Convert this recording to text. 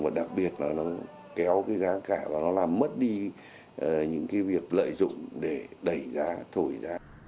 và đặc biệt là nó kéo cái giá cả và nó làm mất đi những cái việc lợi dụng để đẩy giá thổi ra